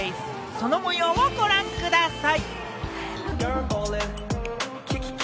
その模様をご覧ください。